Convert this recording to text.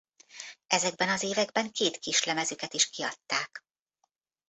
Ezekben az években két kislemezüket is kiadták.